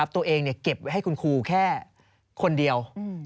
เก็บไว้ให้คุณครูแค่คนเดียว